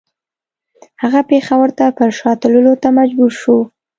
هغه پېښور ته پر شا تللو ته مجبور شو.